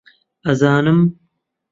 ئەزانم